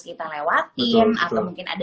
kita lewatin atau mungkin ada